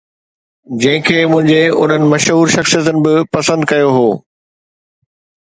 جنهن کي منهنجي انهن مشهور شخصيتن به پسند ڪيو هو.